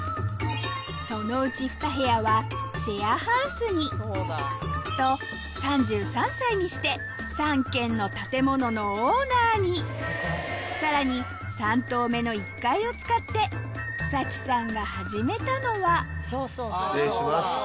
そのうち２部屋はシェアハウスにと３３歳にして３軒の建物のオーナーにさらに３棟目の１階を使って咲さんが始めたのは失礼します。